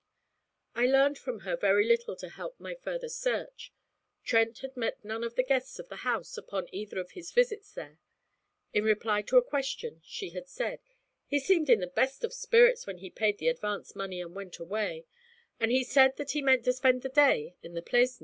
I learned from her very little to help my further search. Trent had met none of the guests of the house upon either of his visits there. In reply to a question, she had said: 'He seemed in the best of spirits when he paid the advance money and went away; and he said that he meant to spend the day in the Plaisance.